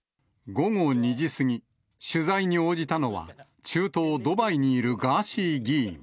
午後２時過ぎ、取材に応じたのは、中東ドバイにいるガーシー議員。